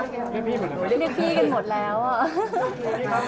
ขอบคุณพี่ด้วยนะครับ